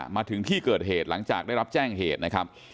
มาถึงที่เกิดเหตุหลังจากได้รับแจ้งเหตุนะครับ